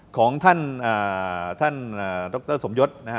ของท่านท่านดรสมยศนะฮะ